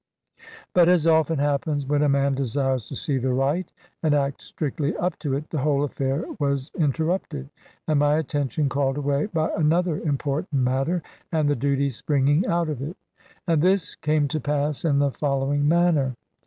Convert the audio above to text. But, as often happens when a man desires to see the right, and act strictly up to it, the whole affair was interrupted, and my attention called away by another important matter, and the duties springing out of it. And this came to pass in the following manner.